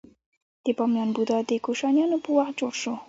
د بامیان بودا د کوشانیانو په وخت جوړ شو